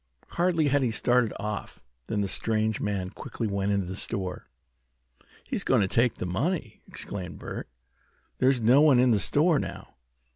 Hardly had he started off than the strange man quickly went into the store. "He's going to take the money!" exclaimed Bert. "There's no one in the store now.